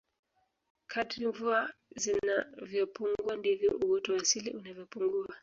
kadri mvua zinavyopungua ndivyo uoto wa asili unavyopungua